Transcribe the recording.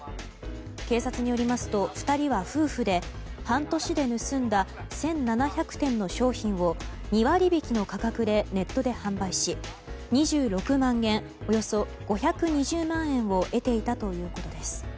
警察によりますと、２人は夫婦で半年で盗んだ１７００点の商品を２割引きの価格でネットで販売し２６万元、およそ５２０万円を得ていたということです。